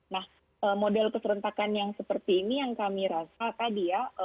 nah model keserentakan yang seperti ini yang kami rasa tadi ya